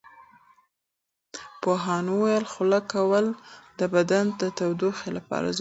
پوهاند وویل خوله کول د بدن د تودوخې لپاره ضروري دي.